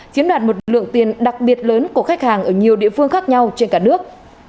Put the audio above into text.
chiếm đoạt một lượng tiền đặc biệt lớn của khách hàng ở nhiều địa phương khác nhau trên cả nước